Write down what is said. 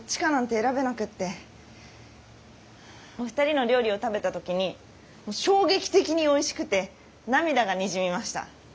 お二人の料理を食べた時に衝撃的においしくて涙がにじみました。